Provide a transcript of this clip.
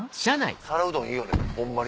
皿うどんいいよねホンマに。